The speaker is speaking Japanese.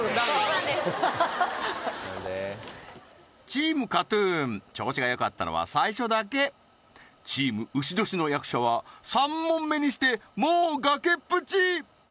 チームＫＡＴ−ＴＵＮ調子がよかったのは最初だけチーム丑年の役者は３問目にしてもう崖っぷち！